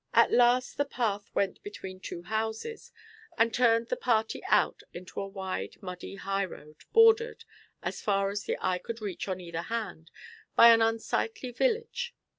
At last the path went between two houses, and turned the party out into a wide muddy high road, bordered, as far as the eye could reach on either hand, by an unsightly village.